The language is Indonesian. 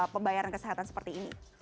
pembayaran kesehatan seperti ini